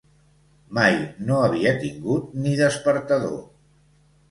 Mai no havia tingut ni despertador.